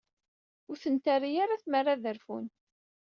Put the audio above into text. Ur ten-terri ara tmara ad rfun.